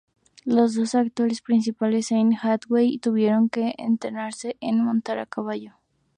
Los dos actores principales y Anne Hathaway tuvieron que entrenarse en montar a caballo.